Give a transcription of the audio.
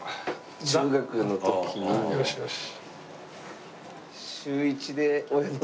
よしよし。